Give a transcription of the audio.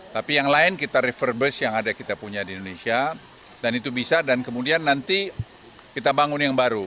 tapi yang lain kita refer bus yang ada kita punya di indonesia dan itu bisa dan kemudian nanti kita bangun yang baru